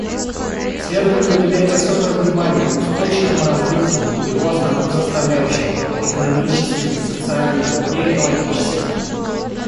Следует уделять особое внимание устойчивому развитию и его основным составляющим — экономической, социальной и экологической.